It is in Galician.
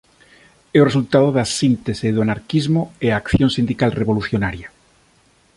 É o resultado da síntese do anarquismo e a acción sindical revolucionaria.